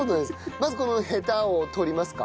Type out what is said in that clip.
まずこのヘタを取りますか？